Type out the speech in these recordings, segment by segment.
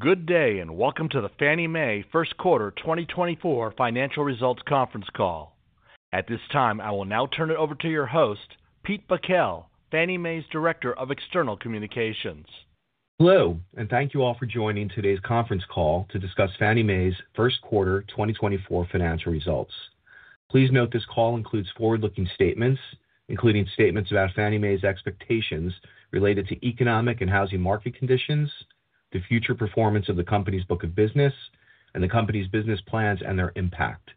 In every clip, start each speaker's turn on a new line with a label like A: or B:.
A: Good day and welcome to the Fannie Mae First Quarter 2024 Financial Results Conference Call. At this time I will now turn it over to your host, Pete Bakel, Fannie Mae's Director of External Communications.
B: Hello, and thank you all for joining today's conference call to discuss Fannie Mae's First Quarter 2024 financial results. Please note this call includes forward-looking statements, including statements about Fannie Mae's expectations related to economic and housing market conditions, the future performance of the company's book of business, and the company's business plans and their impact.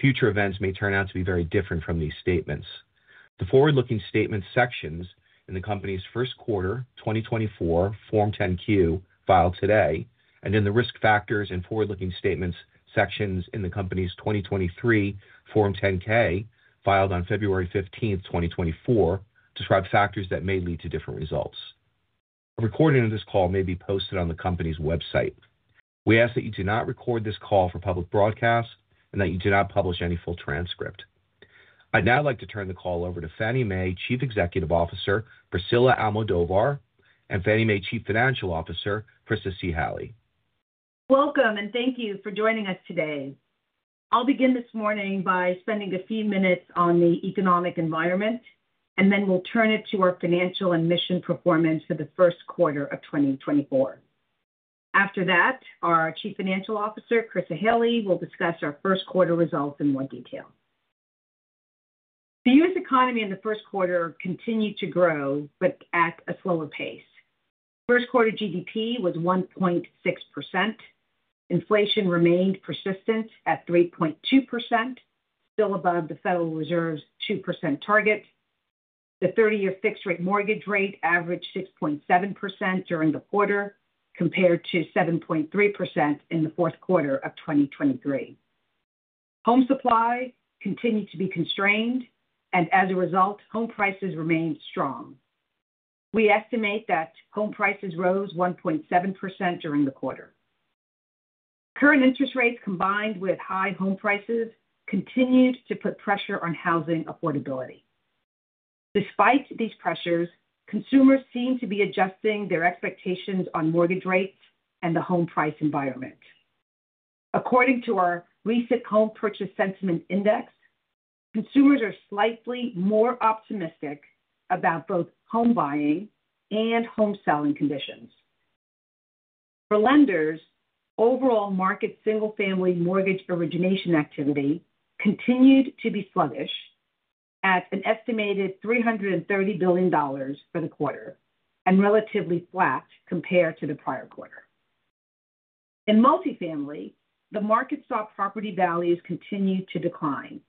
B: Future events may turn out to be very different from these statements. The forward-looking statements sections in the company's First Quarter 2024 Form 10-Q filed today, and then the risk factors and forward-looking statements sections in the company's 2023 Form 10-K filed on February 15, 2024, describe factors that may lead to different results. A recording of this call may be posted on the company's website. We ask that you do not record this call for public broadcast and that you do not publish any full transcript. I'd now like to turn the call over to Fannie Mae Chief Executive Officer Priscilla Almodovar and Fannie Mae Chief Financial Officer Chryssa Halley.
C: Welcome, and thank you for joining us today. I'll begin this morning by spending a few minutes on the economic environment, and then we'll turn it to our financial and mission performance for the First Quarter of 2024. After that, our Chief Financial Officer Chryssa Halley will discuss our First Quarter results in more detail. The U.S. economy in the First Quarter continued to grow, but at a slower pace. First Quarter GDP was 1.6%. Inflation remained persistent at 3.2%, still above the Federal Reserve's 2% target. The 30-year fixed-rate mortgage rate averaged 6.7% during the quarter, compared to 7.3% in the Fourth Quarter of 2023. Home supply continued to be constrained, and as a result, home prices remained strong. We estimate that home prices rose 1.7% during the quarter. Current interest rates combined with high home prices continued to put pressure on housing affordability. Despite these pressures, consumers seem to be adjusting their expectations on mortgage rates and the home price environment. According to our recent Home Purchase Sentiment Index, consumers are slightly more optimistic about both home buying and home selling conditions. For lenders, overall market single-family mortgage origination activity continued to be sluggish, at an estimated $330 billion for the quarter, and relatively flat compared to the prior quarter. In multifamily, the market saw property values continue to decline.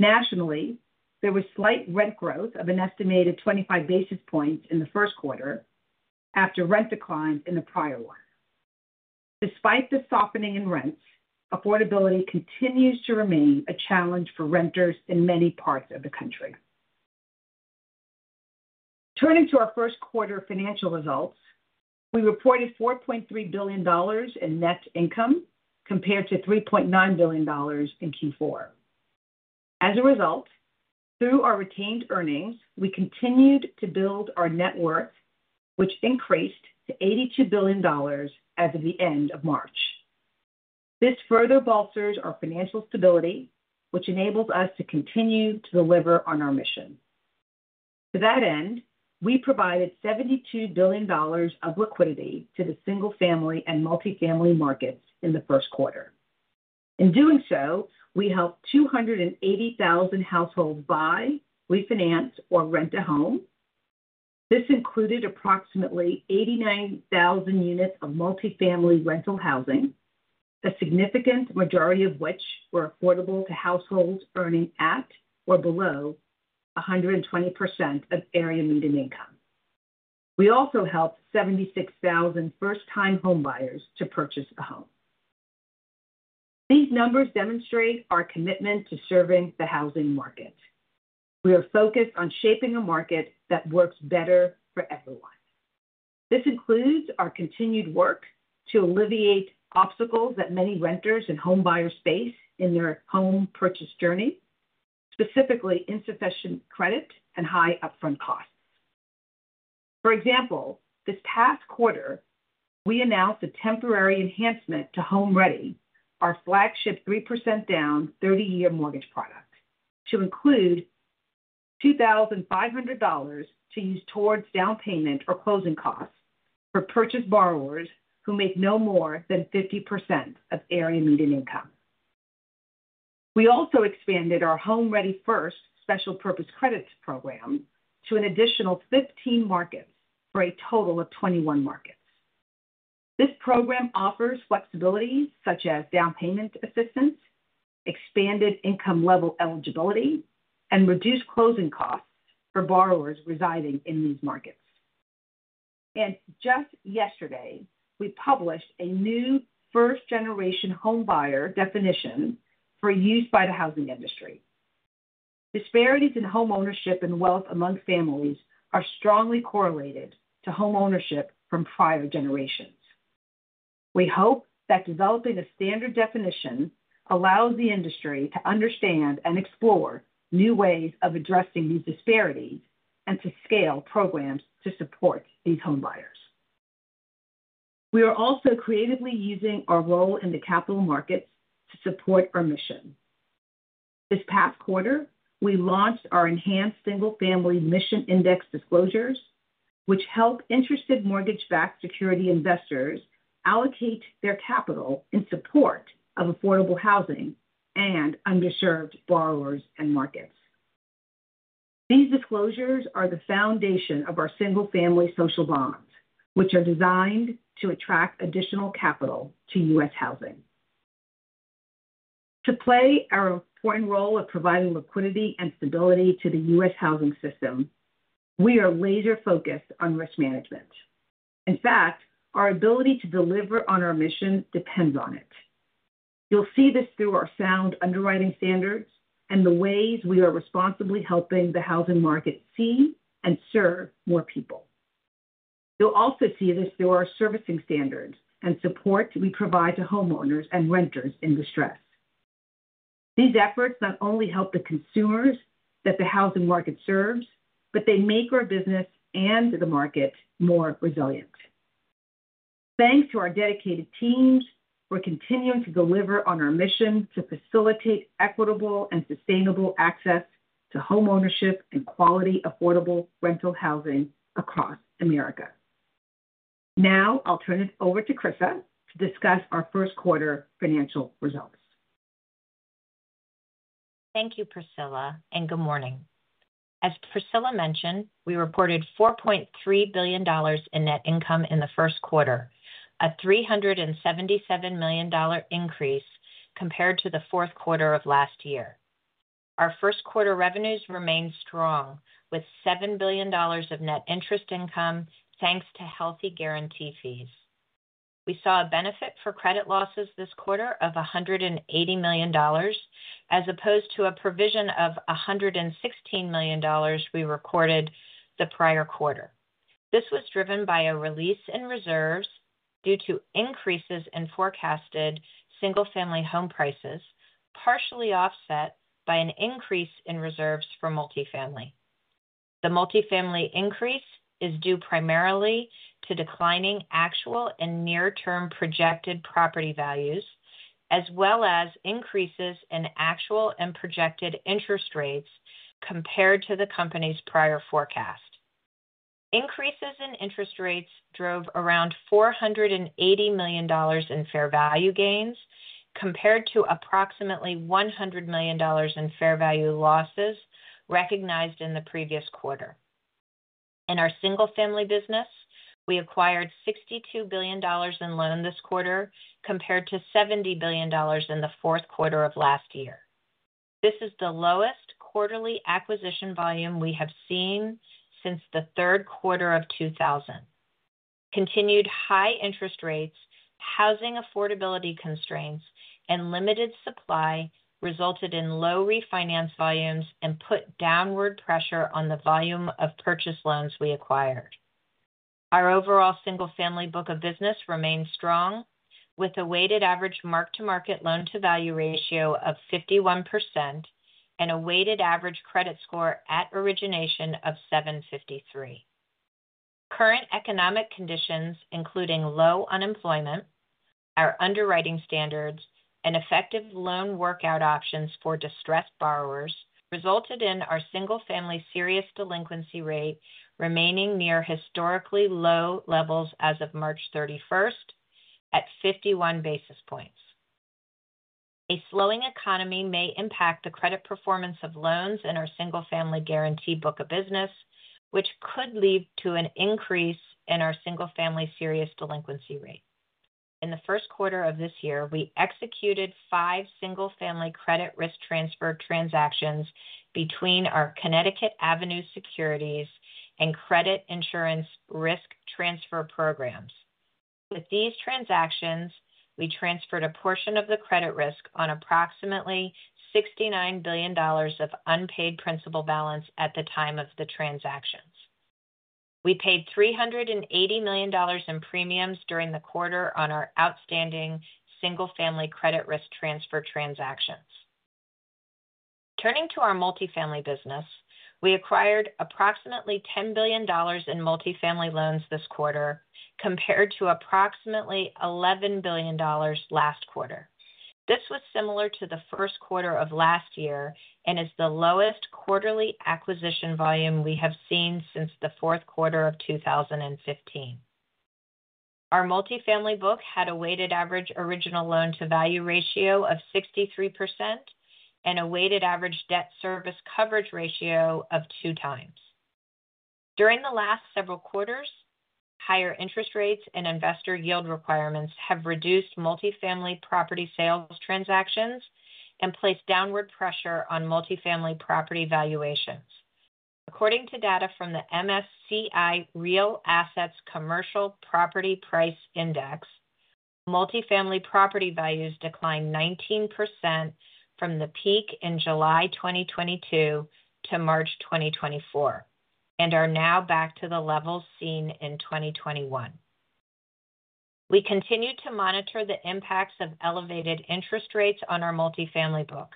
C: Nationally, there was slight rent growth of an estimated 25 basis points in the First Quarter after rent declines in the prior one. Despite the softening in rents, affordability continues to remain a challenge for renters in many parts of the country. Turning to our First Quarter financial results, we reported $4.3 billion in net income compared to $3.9 billion in Q4. As a result, through our retained earnings, we continued to build our net worth, which increased to $82 billion as of the end of March. This further bolsters our financial stability, which enables us to continue to deliver on our mission. To that end, we provided $72 billion of liquidity to the single-family and multifamily markets in the First Quarter. In doing so, we helped 280,000 households buy, refinance, or rent a home. This included approximately 89,000 units of multifamily rental housing, a significant majority of which were affordable to households earning at or below 120% of area median income. We also helped 76,000 first-time homebuyers to purchase a home. These numbers demonstrate our commitment to serving the housing market. We are focused on shaping a market that works better for everyone. This includes our continued work to alleviate obstacles that many renters and homebuyers face in their home purchase journey, specifically insufficient credit and high upfront costs. For example, this past quarter, we announced a temporary enhancement to HomeReady, our flagship 3% down 30-year mortgage product, to include $2,500 to use towards down payment or closing costs for purchase borrowers who make no more than 50% of area median income. We also expanded our HomeReady First Special Purpose Credit Program to an additional 15 markets for a total of 21 markets. This program offers flexibilities such as down payment assistance, expanded income level eligibility, and reduced closing costs for borrowers residing in these markets. Just yesterday, we published a new First-Generation Homebuyer definition for use by the housing industry. Disparities in home ownership and wealth among families are strongly correlated to home ownership from prior generations. We hope that developing a standard definition allows the industry to understand and explore new ways of addressing these disparities and to scale programs to support these homebuyers. We are also creatively using our role in the capital markets to support our mission. This past quarter, we launched our Enhanced Single-Family Mission Index disclosures, which help interested mortgage-backed security investors allocate their capital in support of affordable housing and underserved borrowers and markets. These disclosures are the foundation of our single-family social bonds, which are designed to attract additional capital to U.S. housing. To play our important role of providing liquidity and stability to the U.S. housing system, we are laser-focused on risk management. In fact, our ability to deliver on our mission depends on it. You'll see this through our sound underwriting standards and the ways we are responsibly helping the housing market see and serve more people. You'll also see this through our servicing standards and support we provide to homeowners and renters in distress. These efforts not only help the consumers that the housing market serves, but they make our business and the market more resilient. Thanks to our dedicated teams, we're continuing to deliver on our mission to facilitate equitable and sustainable access to home ownership and quality affordable rental housing across America. Now I'll turn it over to Chryssa to discuss our First Quarter financial results.
D: Thank you, Priscilla, and good morning. As Priscilla mentioned, we reported $4.3 billion in net income in the First Quarter, a $377 million increase compared to the Fourth Quarter of last year. Our First Quarter revenues remain strong, with $7 billion of net interest income thanks to healthy guarantee fees. We saw a benefit for credit losses this quarter of $180 million, as opposed to a provision of $116 million we recorded the prior quarter. This was driven by a release in reserves due to increases in forecasted single-family home prices, partially offset by an increase in reserves for multifamily. The multifamily increase is due primarily to declining actual and near-term projected property values, as well as increases in actual and projected interest rates compared to the company's prior forecast. Increases in interest rates drove around $480 million in fair value gains compared to approximately $100 million in fair value losses recognized in the previous quarter. In our single-family business, we acquired $62 billion in loans this quarter compared to $70 billion in the Fourth Quarter of last year. This is the lowest quarterly acquisition volume we have seen since the Third Quarter of 2000. Continued high interest rates, housing affordability constraints, and limited supply resulted in low refinance volumes and put downward pressure on the volume of purchase loans we acquired. Our overall single-family book of business remains strong, with a weighted average mark-to-market loan-to-value ratio of 51% and a weighted average credit score at origination of 753. Current economic conditions, including low unemployment, our underwriting standards, and effective loan workout options for distressed borrowers resulted in our single-family serious delinquency rate remaining near historically low levels as of March 31st, at 51 basis points. A slowing economy may impact the credit performance of loans in our single-family guarantee book of business, which could lead to an increase in our single-family serious delinquency rate. In the first quarter of this year, we executed five single-family credit risk transfer transactions between our Connecticut Avenue Securities and Credit Insurance Risk Transfer programs. With these transactions, we transferred a portion of the credit risk on approximately $69 billion of unpaid principal balance at the time of the transactions. We paid $380 million in premiums during the quarter on our outstanding single-family credit risk transfer transactions. Turning to our multifamily business, we acquired approximately $10 billion in multifamily loans this quarter compared to approximately $11 billion last quarter. This was similar to the First Quarter of last year and is the lowest quarterly acquisition volume we have seen since the Fourth Quarter of 2015. Our multifamily book had a weighted average original loan-to-value ratio of 63% and a weighted average debt service coverage ratio of 2x. During the last several quarters, higher interest rates and investor yield requirements have reduced multifamily property sales transactions and placed downward pressure on multifamily property valuations. According to data from the MSCI Real Assets Commercial Property Price Index, multifamily property values declined 19% from the peak in July 2022 to March 2024 and are now back to the levels seen in 2021. We continue to monitor the impacts of elevated interest rates on our multifamily book.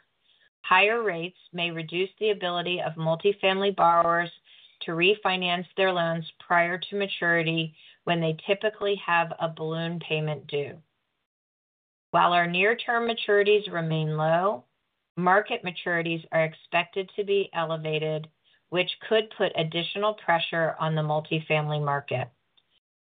D: Higher rates may reduce the ability of multifamily borrowers to refinance their loans prior to maturity when they typically have a balloon payment due. While our near-term maturities remain low, market maturities are expected to be elevated, which could put additional pressure on the multifamily market.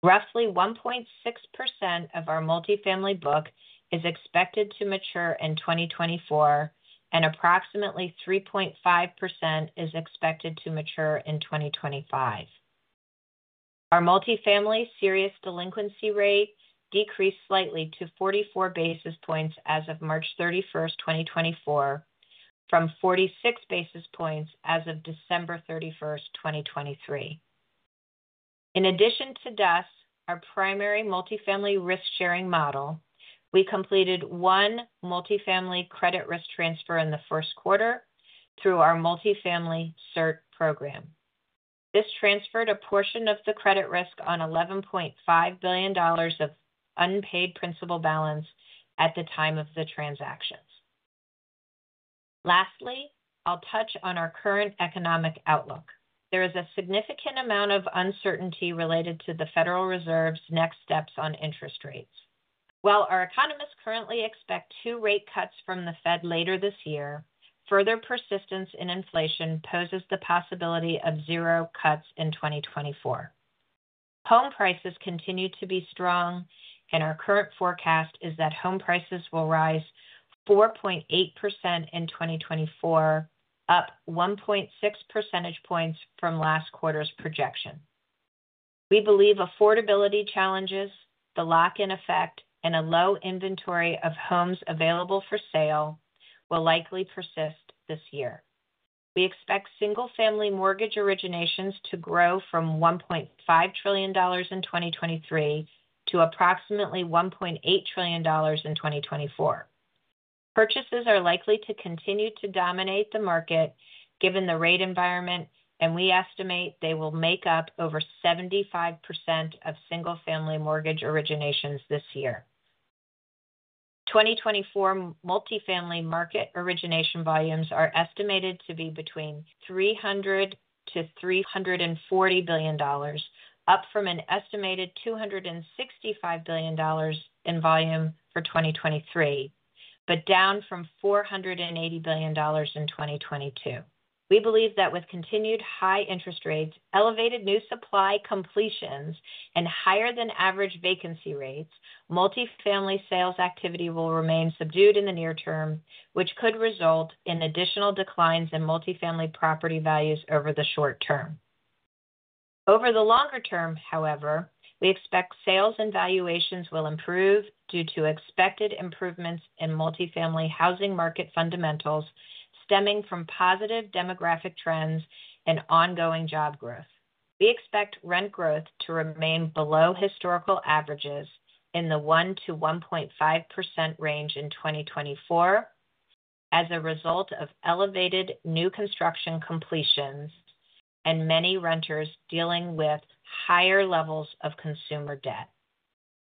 D: Roughly 1.6% of our multifamily book is expected to mature in 2024, and approximately 3.5% is expected to mature in 2025. Our multifamily serious delinquency rate decreased slightly to 44 basis points as of March 31st, 2024, from 46 basis points as of December 31st, 2023. In addition to DUS, our primary multifamily risk-sharing model, we completed one multifamily credit risk transfer in the first quarter through our multifamily CIRT program. This transferred a portion of the credit risk on $11.5 billion of unpaid principal balance at the time of the transactions. Lastly, I'll touch on our current economic outlook. There is a significant amount of uncertainty related to the Federal Reserve's next steps on interest rates. While our economists currently expect two rate cuts from the Fed later this year, further persistence in inflation poses the possibility of zero cuts in 2024. Home prices continue to be strong, and our current forecast is that home prices will rise 4.8% in 2024, up 1.6 percentage points from last quarter's projection. We believe affordability challenges, the lock-in effect, and a low inventory of homes available for sale will likely persist this year. We expect single-family mortgage originations to grow from $1.5 trillion in 2023 to approximately $1.8 trillion in 2024. Purchases are likely to continue to dominate the market given the rate environment, and we estimate they will make up over 75% of single-family mortgage originations this year. 2024 multifamily market origination volumes are estimated to be between $300 billion-$340 billion, up from an estimated $265 billion in volume for 2023 but down from $480 billion in 2022. We believe that with continued high interest rates, elevated new supply completions, and higher-than-average vacancy rates, multifamily sales activity will remain subdued in the near term, which could result in additional declines in multifamily property values over the short term. Over the longer term, however, we expect sales and valuations will improve due to expected improvements in multifamily housing market fundamentals stemming from positive demographic trends and ongoing job growth. We expect rent growth to remain below historical averages in the 1%-1.5% range in 2024 as a result of elevated new construction completions and many renters dealing with higher levels of consumer debt.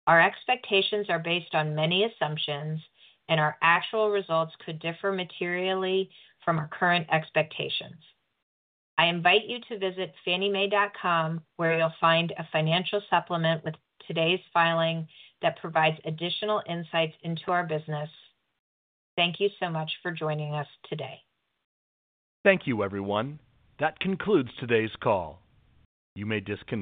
D: Our expectations are based on many assumptions, and our actual results could differ materially from our current expectations. I invite you to visit fanniemae.com, where you'll find a financial supplement with today's filing that provides additional insights into our business. Thank you so much for joining us today.
A: Thank you, everyone. That concludes today's call. You may disconnect.